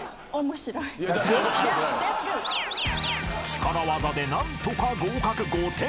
［力業で何とか合格５点］